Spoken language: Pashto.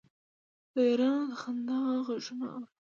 د یارانو د خندا غـږونه اورم